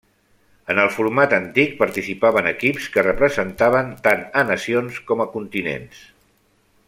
En el format antic participaven equips que representaven tant a nacions com a continents.